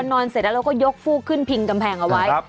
เสร็จแล้วเราก็ยกฟูกขึ้นพิงกำแพงเอาไว้